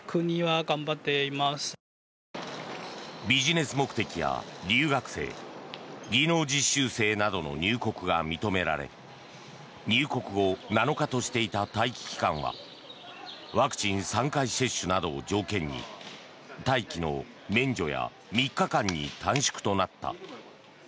ビジネス目的や留学生技能実習生などの入国が認められ入国後７日としていた待機期間はワクチン３回接種などを条件に待機の免除や３日間に短縮となった。